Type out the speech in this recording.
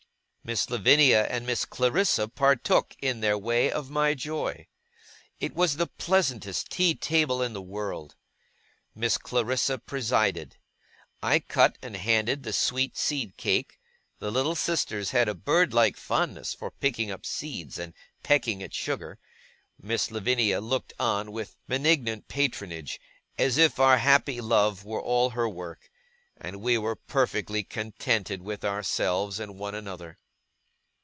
Miss Lavinia and Miss Clarissa partook, in their way, of my joy. It was the pleasantest tea table in the world. Miss Clarissa presided. I cut and handed the sweet seed cake the little sisters had a bird like fondness for picking up seeds and pecking at sugar; Miss Lavinia looked on with benignant patronage, as if our happy love were all her work; and we were perfectly contented with ourselves and one another.